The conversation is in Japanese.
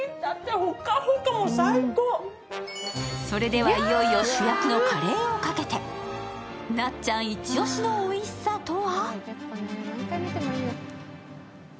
ホカホカ最高それではいよいよ主役のカレーをかけてなっちゃんイチオシのおいしさとは？